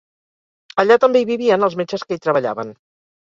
Allà també hi vivien els metges que hi treballaven.